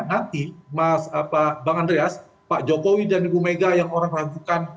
nanti mas bang andreas pak jokowi dan ibu mega yang orang ragukan